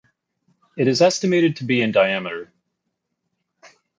It is estimated to be in diameter.